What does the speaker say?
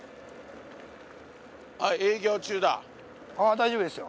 大丈夫ですよ。